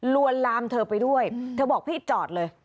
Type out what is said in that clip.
ลวนลามเธอไปด้วยเธอบอกพี่จอดเลย